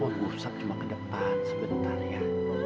om gustaf cuma ke depan sebentar ya